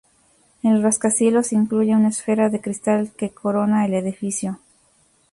El rascacielos incluye una esfera de cristal que corona el edificio.